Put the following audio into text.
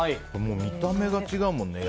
見た目が違うもんね。